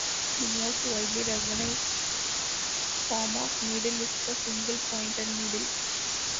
The most widely recognized form of needle is the single-pointed needle.